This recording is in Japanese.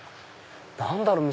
何だろう？